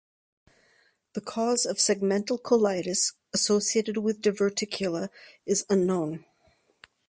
The cause of segmental colitis associated with diverticula is unknown.